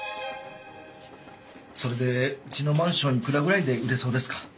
それでうちのマンションいくらぐらいで売れそうですか？